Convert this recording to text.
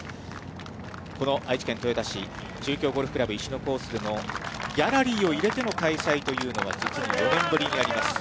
この愛知県豊田市、中京ゴルフ倶楽部石野コースのギャラリーを入れての開催というのは、実に４年ぶりになります。